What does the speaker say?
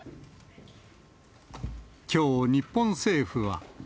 きょう、日本政府は。